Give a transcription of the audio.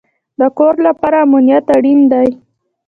د کور لپاره امنیت اړین دی